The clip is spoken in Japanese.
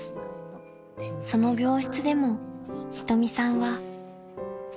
［その病室でも仁美さんは］